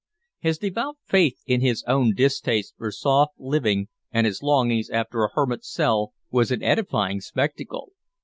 His devout faith in his own distaste for soft living and his longings after a hermit's cell was an edifying spectacle.